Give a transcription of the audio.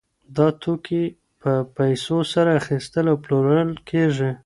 دا توکي په پیسو سره اخیستل او پلورل کیږي.